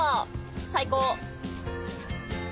最高。